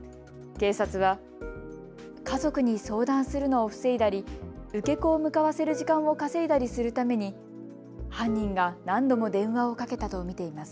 警察は家族に相談するのを防いだり受け子を向かわせる時間を稼いだりするために犯人が何度も電話をかけたと見ています。